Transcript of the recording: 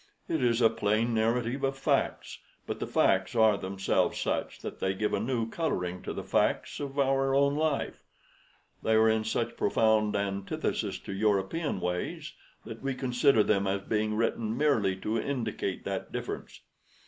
"It is a plain narrative of facts; but the facts are themselves such that they give a new coloring to the facts of our own life. They are in such profound antithesis to European ways that we consider them as being written merely to indicate that difference.